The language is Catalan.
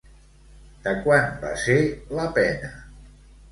De quant va ser la pena?